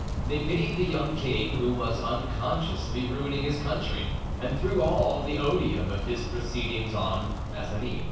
They pitied the young king, who was unconsciously ruining his country, and threw all the odium of his proceedings on Mazarin.